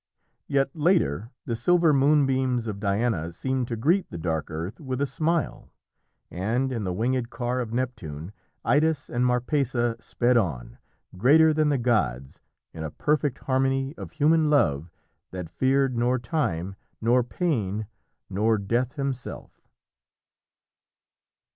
Yet, later, the silver moonbeams of Diana seemed to greet the dark earth with a smile, and, in the winged car of Neptune, Idas and Marpessa sped on, greater than the gods, in a perfect harmony of human love that feared nor time, nor pain, nor Death himself.